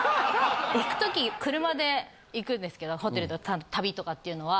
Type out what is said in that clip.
行く時車で行くんですけどホテルと旅とかっていうのは。